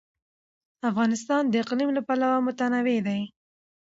افغانستان د اقلیم له پلوه متنوع دی.